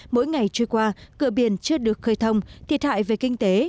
mỗi ngày trôi qua cửa biển chưa được khơi thông thiệt hại về kinh tế